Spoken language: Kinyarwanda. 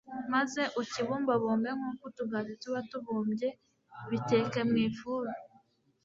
maze ukibumbabumbe nk'uko utugati tuba tubumbye. biteke mu ifuru